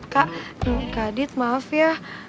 kak kak dit maaf ya